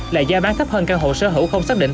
là gia bán thấp hơn căn hộ sở hữu không xác định